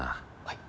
はい。